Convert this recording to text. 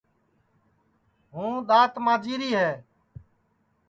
ہوں دؔات ماجی ری ہے